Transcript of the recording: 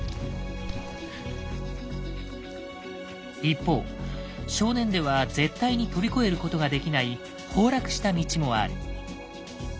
一方少年では絶対に飛び越えることができない崩落した道もある。